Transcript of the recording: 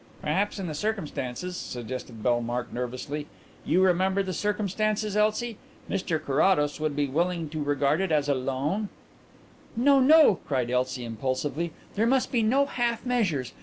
"Perhaps in the circumstances," suggested Bellmark nervously "you remember the circumstances, Elsie? Mr Carrados would be willing to regard it as a loan " "No, no!" cried Elsie impulsively. "There must be no half measures.